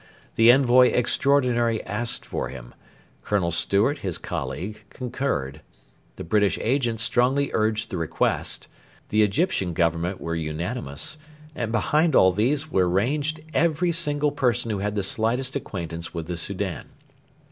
The Envoy Extraordinary asked for him; Colonel Stewart, his colleague, concurred; the British Agent strongly urged the request; the Egyptian Government were unanimous; and behind all these were ranged every single person who had the slightest acquaintance with the Soudan.